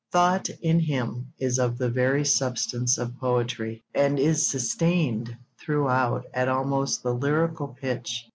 Thought, in him, is of the very substance of poetry, and is sustained throughout at almost the lyrical pitch.